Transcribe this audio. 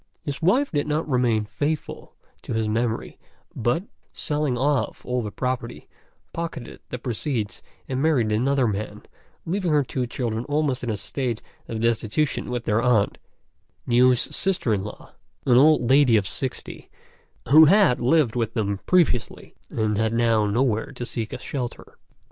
His wife did not remain faithful to his memory, but, selling off all the property, pocketed the proceeds and married another man, leaving her two children almost in a state of destitution with their aunt, Niu's sister in law, an old lady of sixty, who had lived with them previously, and had now nowhere to seek a shelter.